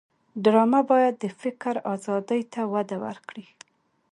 ډرامه باید د فکر آزادۍ ته وده ورکړي